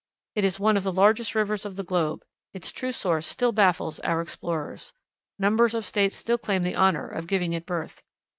It is one of the largest rivers of the globe. Its true source still baffles our explorers. Numbers of States still claim the honor of giving it birth.